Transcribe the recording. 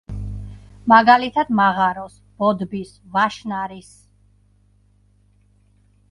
მაგალითად: „მაღაროს“, „ბოდბის“, „ვაშნარის“.